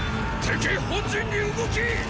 敵本陣に動きっ！